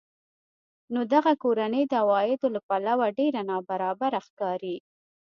نو دغه کورنۍ د عوایدو له پلوه ډېره نابرابره ښکاري